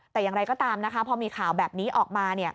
แต่อย่างไรก็ตามนะคะพอมีข่าวแบบนี้ออกมา